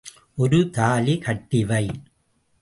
ஒரு தாலி கட்டி வை.